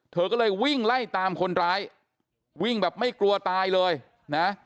เธอก็เลยวิ่งไล่ตามคนร้ายวิ่งแบบไม่กลัวตายเลยนะ